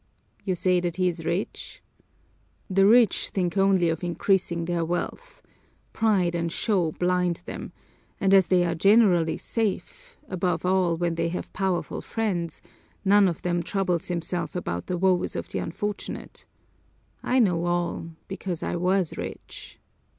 "You say that he is rich? The rich think only of increasing their wealth, pride and show blind them, and as they are generally safe, above all when they have powerful friends, none of them troubles himself about the woes of the unfortunate. I know all, because I was rich!"